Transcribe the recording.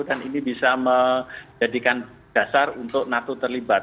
dan ini bisa menjadikan dasar untuk nato terlibat